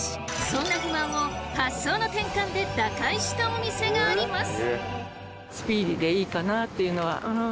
そんな不満を発想の転換で打開したお店があります。